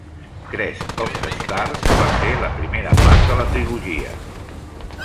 "Crest of the Stars" va ser la primera part de la trilogia.